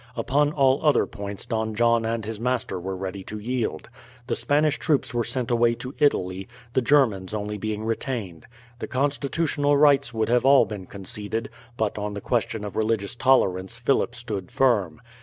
Upon all other points Don John and his master were ready to yield. The Spanish troops were sent away to Italy, the Germans only being retained. The constitutional rights would all have been conceded, but on the question of religious tolerance Philip stood firm.